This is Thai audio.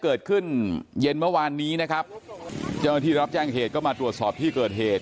เกิดขึ้นเย็นเมื่อวานนี้นะครับเจ้าหน้าที่รับแจ้งเหตุก็มาตรวจสอบที่เกิดเหตุ